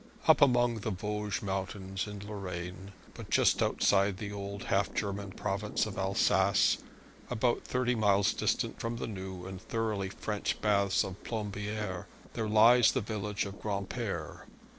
Up among the Vosges mountains in Lorraine, but just outside the old half German province of Alsace, about thirty miles distant from the new and thoroughly French baths of Plombieres, there lies the village of Granpere.